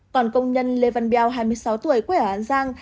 còn công nhân lê văn biao hai mươi sáu tuổi quê ở hàn giang